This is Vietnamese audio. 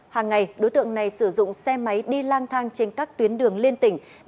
hàng ngày đối tượng này sử dụng xe máy đi lang thang trên các tuyến đường liên tỉnh